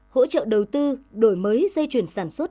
hỗ trợ đầu tư đổi mới dây chuyển sản xuất